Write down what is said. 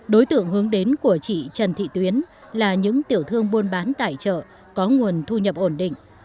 đối tượng hướng đến của chị trần thị tuyến là những tiểu thương buôn bán tài trợ có nguồn thu nhập ổn định